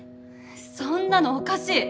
そんなのおかしい！